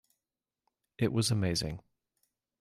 It was amazing.